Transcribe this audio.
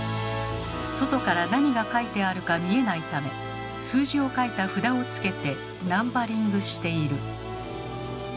外から何が書いてあるか見えないため数字を書いた札を付けてナンバリングしている。